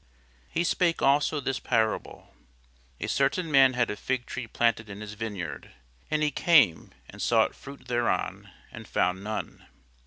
He spake also this parable; A certain man had a fig tree planted in his vineyard; and he came and sought fruit thereon, and found none.